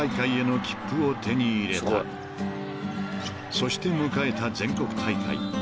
［そして迎えた全国大会］